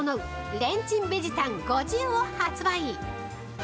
レンチンベジたん５０」を発売！